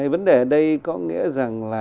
vấn đề ở đây có nghĩa rằng là